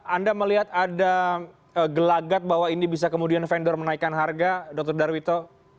anda melihat ada gelagat bahwa ini bisa kemudian vendor menaikkan harga dr darwito